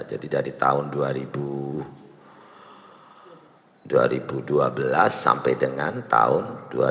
jadi dari tahun dua ribu dua belas sampai dengan tahun dua ribu lima belas